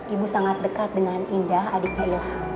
ibu sangat dekat dengan indah adiknya ibu